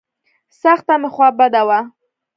سخته مې خوا بده وه.